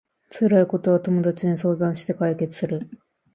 辛いことは友達に相談して解決する